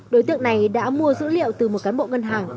đối tượng này đã mua dữ liệu từ một cán bộ ngân hàng